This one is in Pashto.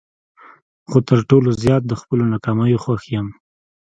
خو تر ټولو زیات د خپلو ناکامیو خوښ یم.